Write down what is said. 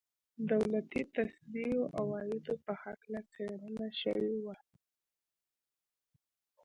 د دولتي تصدیو عوایدو په هکله څېړنه شوې وه.